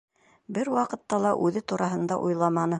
Бер ваҡытта ла үҙе тураһында уйламаны.